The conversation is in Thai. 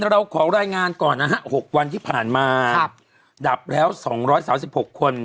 เราขอรายงานก่อนนะฮะหกวันที่ผ่านมาครับดับแล้วสองร้อยสาวสิบหกคน